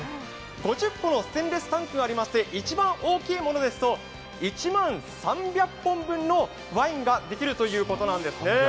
５０個のステンレスタンクがありまして一番大きいものですと１万３００本分のワインができるということなんですね。